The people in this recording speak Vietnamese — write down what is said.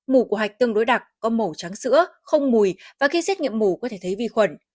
mổ của hạch tương đối đặc có màu trắng sữa không mùi và khi xét nghiệm mù có thể thấy vi khuẩn